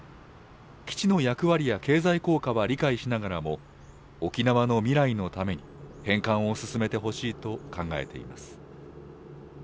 基地の役割や経済効果は理解しながらも、沖縄の未来のために、返還を進めてほしいと考えています。